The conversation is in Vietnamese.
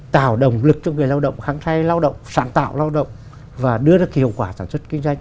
tạo động lực cho người lao động kháng trai lao động sản tạo lao động và đưa ra cái hiệu quả sản xuất kinh doanh